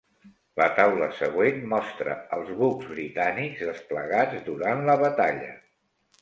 La taula següent mostra els bucs britànics desplegats durant la batalla.